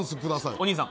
お兄さん。